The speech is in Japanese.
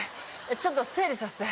ちょっと整理させて。